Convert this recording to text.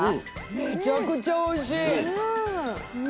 めちゃくちゃおいしい！